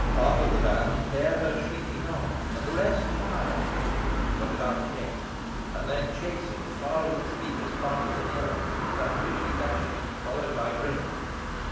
Part of the band bear her shrieking off, and the rest fire at him, but without effect, and then chase him as far as the steepest part of the hill, down which he dashes, followed by Grip.